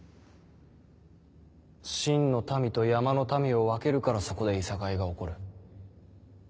秦の民と山の民を分けるからそこで諍いが起こる。